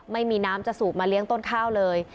ไม่มีน้ำจะสูบมาเลี้ยงต้นข้าวเลย